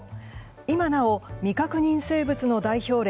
今なお未確認生物の代表例